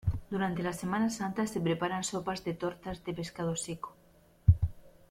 Durante la Semana Santa, se preparan sopas de tortas de pescado seco.